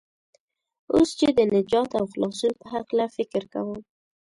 اوس چې د نجات او خلاصون په هلکه فکر کوم.